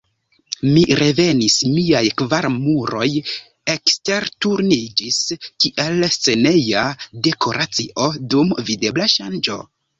Mi revenis: miaj kvar muroj aksturniĝis, kiel sceneja dekoracio dum videbla ŝanĝo.